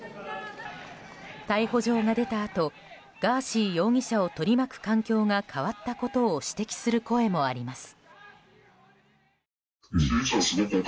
逮捕状が出たあとガーシー容疑者を取り巻く環境が変わったことを指摘する声もあります。